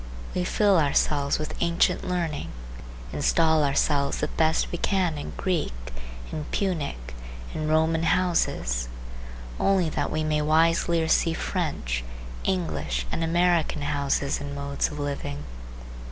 We fill ourselves with ancient learning, install ourselves the best we can in Greek, in Punic, in Roman houses, only that we may wiselier see French, English and American houses and modes of living.